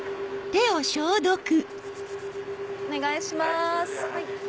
お願いします。